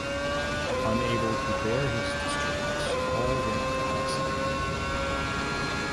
Unable to bear his disturbance all went to Kasi.